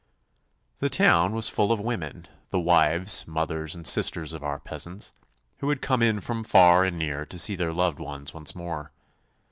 The town was full of women, the wives, mothers, and sisters of our peasants, who had come in from far and near to see their loved ones once more.